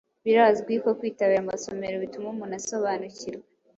Birazwi ko kwitabira amasomero bituma umuntu asobanukirwa,